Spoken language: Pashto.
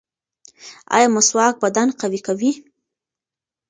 ایا مسواک بدن قوي کوي؟